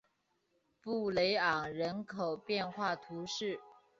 布雷昂人口变化图示